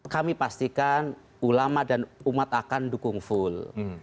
kami pastikan ulama dan umat akan dukung full